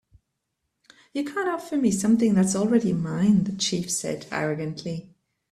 "You can't offer me something that is already mine," the chief said, arrogantly.